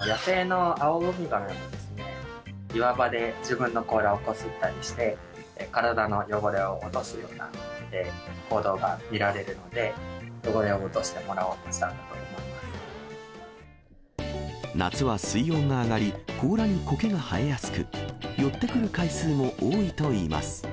野生のアオウミガメは、岩場で自分の甲羅をこすったりして、体の汚れを落とすような行動が見られるので、汚れを落としてもら夏は水温が上がり、甲羅にこけが生えやすく、寄ってくる回数も多いといいます。